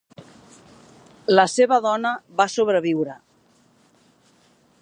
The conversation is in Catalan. La seva dona va sobreviure.